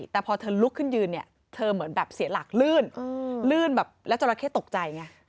แต่พอเธอลุกขึ้นยืนเนี่ยเธอเหมือนแบบเสียหลักรื่นตกใจไง